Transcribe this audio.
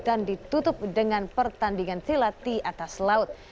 dan ditutup dengan pertandingan silat di atas laut